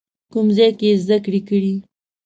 کوم ځای کې یې زده کړې کړي؟